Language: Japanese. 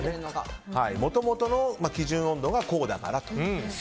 もともとの基準温度がこうだからと。